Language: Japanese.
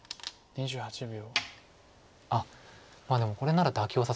２８秒。